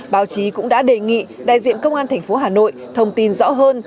báo chí cũng đã đề nghị đại diện công an thành phố hà nội thông tin rõ hơn